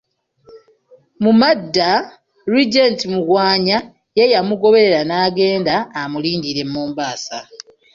Mu madda Regent Mugwanya ye yamugoberera n'agenda amulindirira e Mombasa.